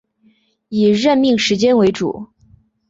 以任命时间为主